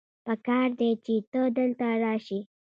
پکار دی چې ته دلته راشې